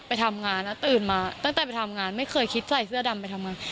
ไปทำงานแล้วตื่นมาตั้งแต่ไปทำงานไม่เคยคิดใส่เสื้อดำไปทำงาน